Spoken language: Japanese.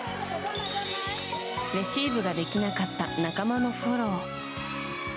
レシーブができなかった仲間のフォロー。